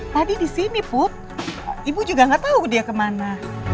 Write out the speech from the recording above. tadi di sini pup ibu juga nggak tahu dia kemana